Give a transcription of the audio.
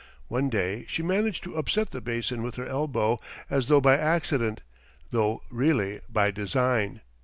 One day she managed to upset the basin with her elbow as though by accident, though really by design.